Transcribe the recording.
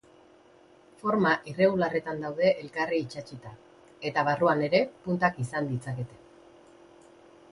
Forma irregularretan daude elkarri itsatsita, eta barruan ere puntak izan ditzakete.